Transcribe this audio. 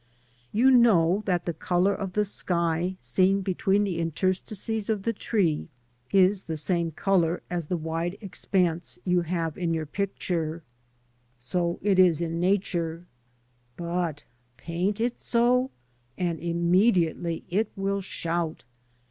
You know that the colour of the sky seen between the interstices of the tree is the same colour as the 62 LANDSCAPE PAINTING IN OIL COLOUR. wide expanse you have in your picture. So it is in Nature; but paint it so, and immediately it will "shout."